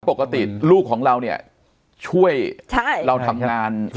ปกติลูกของเราเนี่ยช่วยเราทำงาน